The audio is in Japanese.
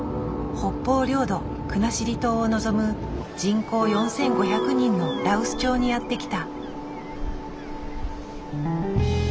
北方領土国後島を望む人口４，５００人の羅臼町にやって来た。